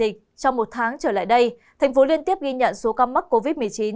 trong một tháng trở lại đây thành phố liên tiếp ghi nhận số ca mắc covid một mươi chín